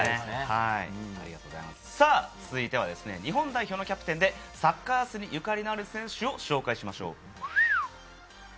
続いては日本代表のキャプテンで『サッカー★アース』にゆかりのある選手を紹介しましょう。